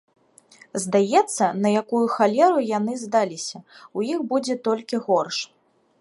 Здаецца, на якую халеру яны здаліся, у іх будзе толькі горш.